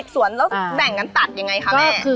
สวนแล้วแบ่งกันตัดยังไงคะแม่